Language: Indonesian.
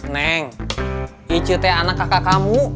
neng icu teh anak kakak kamu